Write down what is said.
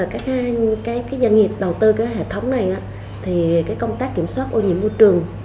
các doanh nghiệp đầu tư hệ thống này thì công tác kiểm soát ô nhiễm môi trường